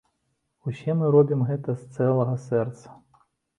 Усе мы робім гэта з цэлага сэрца.